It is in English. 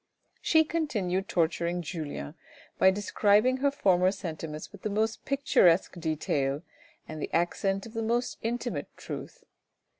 She continued torturing Julien by describing her former sentiments with the most picturesque detail and the accent of the most intimate truth.